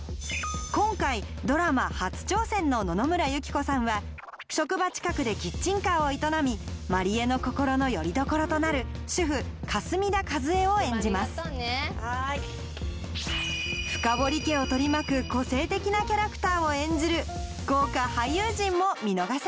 今回ドラマ初挑戦の野々村友紀子さんは職場近くでキッチンカーを営み万里江の心のよりどころとなる主婦霞田和恵を演じます深堀家を取り巻く個性的なキャラクターを演じる